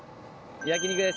焼肉です。